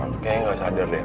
reva kayaknya gak sadar ya